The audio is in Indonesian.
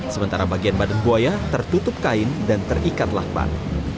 sementara bagian badan buaya tertutup kain dan terikat lakban